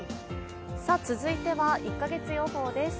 続いては１か月予報です。